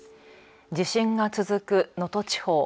地震が続く能登地方。